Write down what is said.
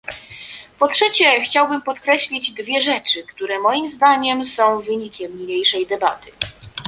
Po trzecie chciałbym podkreślić dwie rzeczy, które moim zdaniem są wynikiem niniejszej debaty